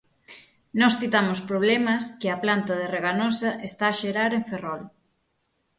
Nós citamos problemas que a planta de Reganosa está a xerar en Ferrol.